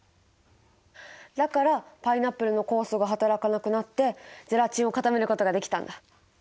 だからパイナップルの酵素がはたらかなくなってゼラチンを固めることができたんだ。